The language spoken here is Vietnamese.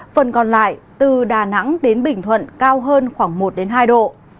phần còn lại từ đà nẵng đến bình thuận cao hơn khoảng một hai độ